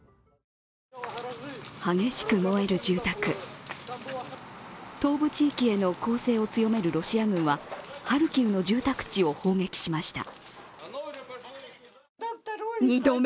激しく燃える住宅、東部地域への攻勢を強めるロシア軍はハルキウの住宅地を砲撃しました。